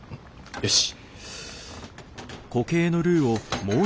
よし。